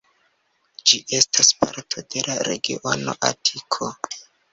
Ĝi estas parto de la regiono Atiko.